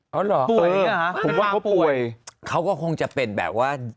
เอาเหรอป่วยเหรอผมว่าเขาป่วยเขาก็คงจะเป็นแบบว่า